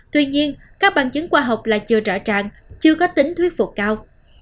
tuy nhiên các bằng chứng khoa học là chưa rõ ràng chưa có tính thuyết phục cao